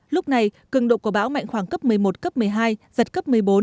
lúc này cường độ của bão mạnh khoảng cấp một mươi một cấp một mươi hai giật cấp một mươi bốn